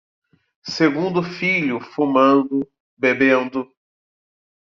Segundo filho fumando, bebendo